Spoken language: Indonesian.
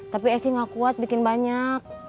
tapi essi gak kuat bikin banyak